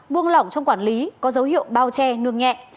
buông lỏng trong quản lý có dấu hiệu bao che nương nhẹ